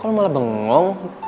kok lo malah bengong